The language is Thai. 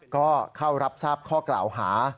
ก็เข้ารับทราบข้อกล่าวหา